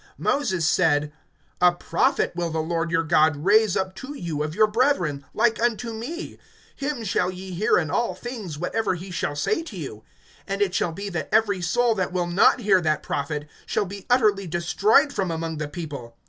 (22)Moses said: A Prophet will the Lord your God raise up to you of your brethren, like unto me; him shall ye hear in all things whatever he shall say to you. (23)And it shall be that every soul, that will not hear that Prophet, shall be utterly destroyed from among the people.